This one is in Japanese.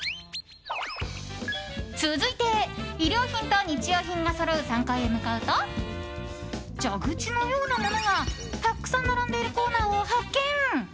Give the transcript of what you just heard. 続いて、衣料品と日用品がそろう３階へ向かうと蛇口のようなものがたくさん並んでいるコーナーを発見。